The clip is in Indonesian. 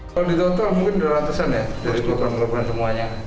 kalau ditotol mungkin dua ratus an ya dari korban korban semuanya